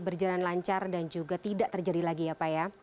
berjalan lancar dan juga tidak terjadi lagi ya pak ya